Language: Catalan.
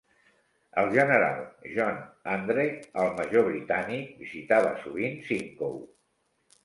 El general John Andre, el major britànic, visitava sovint Simcoe.